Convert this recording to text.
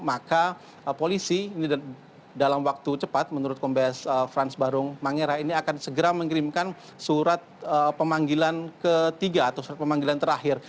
maka polisi ini dalam waktu cepat menurut kombes frans barung mangera ini akan segera mengirimkan surat pemanggilan ketiga atau surat pemanggilan terakhir